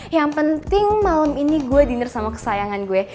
yang penting malam ini gue dinner sama kesayangan gue